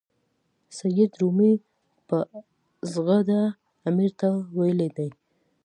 سید رومي په زغرده امیر ته ویلي دي.